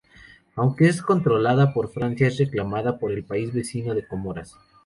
Aunque es controlada por Francia es reclamada por el vecino país de Comoras.